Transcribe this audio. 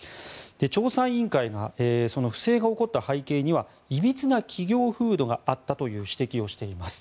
調査委員会が不正が起こった背景にはいびつな企業風土があったという指摘をしています。